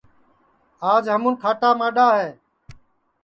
آج ہمُون کھاٹا ماڈؔا ہے